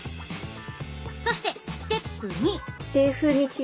そしてステップ２！